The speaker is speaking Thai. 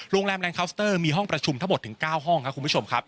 โรงแรมแลนดเคาน์สเตอร์มีห้องประชุมทั้งหมดถึง๙ห้องครับคุณผู้ชมครับ